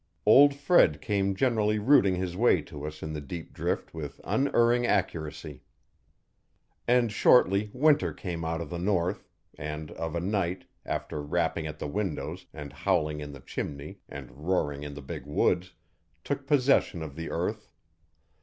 Old Fred came generally rooting his way to us in the deep drift with unerring accuracy. And shortly winter came out of the north and, of a night, after rapping at the windows and howling in the chimney and roaring in the big woods, took possession of the earth.